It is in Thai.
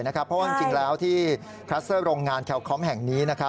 เพราะว่าจริงแล้วที่คลัสเตอร์โรงงานแคลคอมแห่งนี้